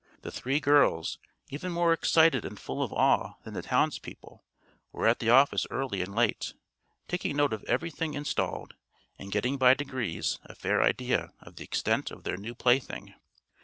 The three girls, even more excited and full of awe than the townspeople, were at the office early and late, taking note of everything installed and getting by degrees a fair idea of the extent of their new plaything.